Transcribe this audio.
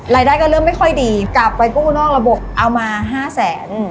รายได้ก็เริ่มไม่ค่อยดีกลับไปกู้นอกระบบเอามา๕แสน